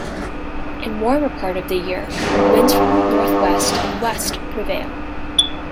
In warmer part of the year, winds from northwest and west prevail.